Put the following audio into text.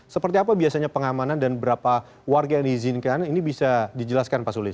seperti apa biasanya pengamanan dan berapa warga yang diizinkan ini bisa dijelaskan pak sulis